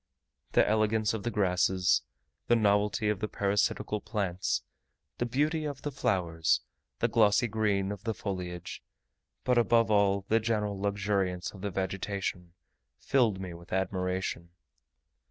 The elegance of the grasses, the novelty of the parasitical plants, the beauty of the flowers, the glossy green of the foliage, but above all the general luxuriance of the vegetation, filled me with admiration.